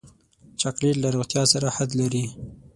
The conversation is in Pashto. چاکلېټ له روغتیا سره حد لري.